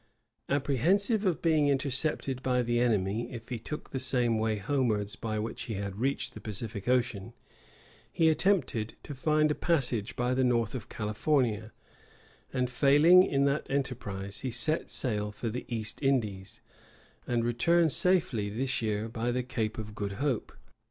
Apprehensive of being intercepted by the enemy, if he took the same way homewards by which he had reached the Pacific Ocean, he attempted to find a passage by the north of California; and failing in that enterprise, he set sail for the East Indies, and returned safely this year, by the Cape of Good Hope.